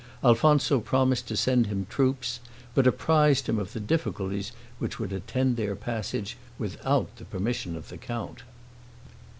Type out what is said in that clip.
Alfonso promised to send him troops, but apprised him of the difficulties which would attend their passage, without the permission of the count.